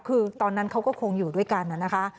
คือตอนนั้นเขาก็คงอยู่ด้วยกันนะคะ